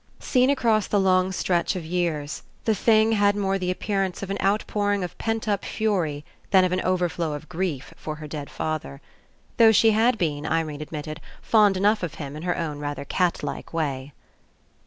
Seen across the long stretch of years, the thing had more the appearance of an out pouring of pent up fury than of an overflow of grief for her dead father; though she had been, Irene admitted, fond enough of him In her own rather catlike way.